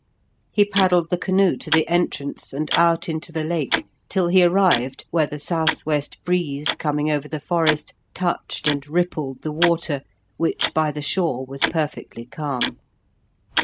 He paddled the canoe to the entrance and out into the Lake till he arrived where the south west breeze, coming over the forest, touched and rippled the water, which by the shore was perfectly calm.